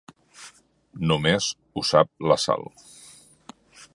Només ho sap la Sal.